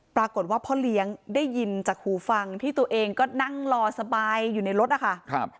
ปรากฏว่าพ่อเลี้ยงได้ยินจากหูฟังที่ตัวเองก็นั่งรอสบายอยู่ในรถนะคะ